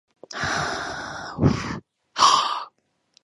Sulis was not the only goddess exhibiting syncretism with Minerva.